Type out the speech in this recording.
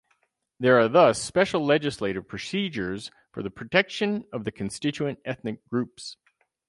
There are thus special legislative procedures for the protection of the constituent ethnic groups.